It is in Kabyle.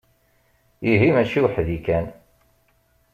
Ihi mačči weḥd-i kan.